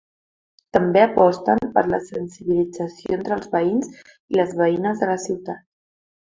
També aposten per la sensibilització entre els veïns i les veïnes de la ciutat.